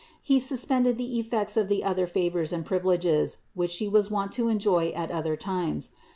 He suspended the effects of the other favors and privileges, which She was wont to enjoy at other times.